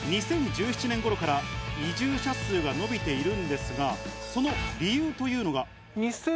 ２０１７年ごろから移住者数が伸びているんですが、その理由というのが。